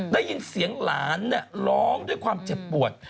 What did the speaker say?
ได้ยินเสียงหลานร้องด้วยความเจ็บปวด